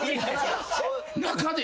中で。